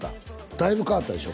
だいぶ変わったでしょ？